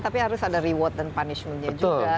tapi harus ada reward dan punishment nya juga